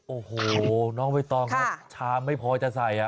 โอ้โหน้องเวตต้องชามไม่พอจะใส่